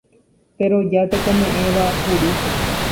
Teroja tekome'ẽva puru.